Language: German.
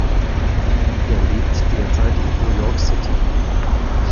Er lebt derzeit in New York City.